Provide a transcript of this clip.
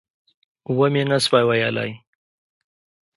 ومې نه شوای ویلای.